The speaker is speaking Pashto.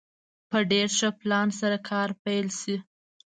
په ډېر ښه پلان سره کار پيل شي.